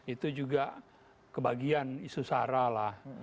itu juga kebagian isu sara lah